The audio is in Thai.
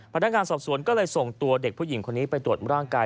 พนักงานสอบสวนก็เลยส่งตัวเด็กผู้หญิงคนนี้ไปตรวจร่างกาย